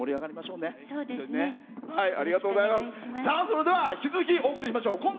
さあそれでは引き続きお送りしましょう。